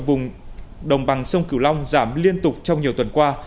vùng đồng bằng sông cửu long giảm liên tục trong nhiều tuần qua